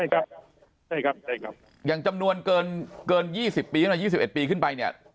ใช่ครับยังจำนวนเกิน๒๑ปีขึ้นไปเนี่ย